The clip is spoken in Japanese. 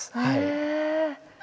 へえ。